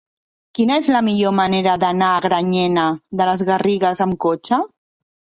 Quina és la millor manera d'anar a Granyena de les Garrigues amb cotxe?